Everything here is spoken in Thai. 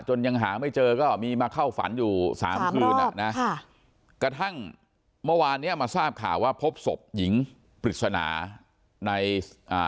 ยังหาไม่เจอก็มีมาเข้าฝันอยู่สามคืนอ่ะนะค่ะกระทั่งเมื่อวานเนี้ยมาทราบข่าวว่าพบศพหญิงปริศนาในอ่า